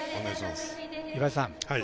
岩井さん